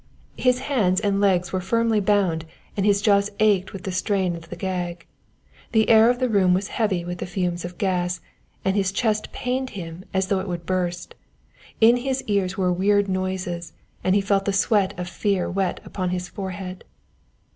His hands and legs were firmly bound and his jaws ached with the strain of the gag. The air of the room was heavy with the fumes of gas, and his chest pained him as though it would burst. In his ears were weird noises and he felt the sweat of fear wet upon his forehead.